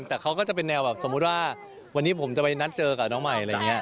แต่เขาก็จะเป็นแนวแบบสมมุติว่าวันนี้ผมจะไปนัดเจอกับน้องใหม่อะไรอย่างนี้